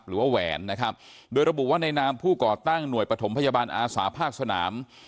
แหวนนะครับโดยระบุว่าในนามผู้ก่อตั้งหน่วยปฐมพยาบาลอาสาภาคสนาม